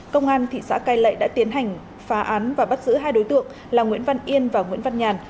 công an thị xã cai lệ đã tiến hành phá án và bắt giữ hai đối tượng là nguyễn văn yên và nguyễn văn nhàn